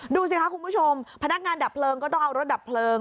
ดูสิคะคุณผู้ชมพนักงานดับเพลิงก็ต้องเอารถดับเพลิง